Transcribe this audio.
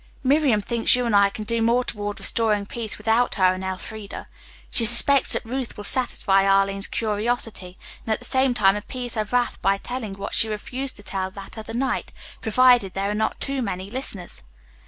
"Miriam thinks you and I can do more toward restoring peace without her and Elfreda. She suspects that Ruth will satisfy Arline's curiosity and at the same time appease her wrath by telling what she refused to tell that other night, provided there are not too many listeners."